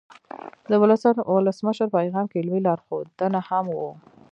د ولسمشر پیغام کې علمي لارښودونه هم وو.